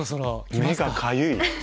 目がかゆい。